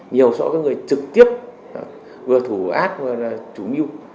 nhiều so với người trực tiếp vừa thủ ác vừa là chủ mưu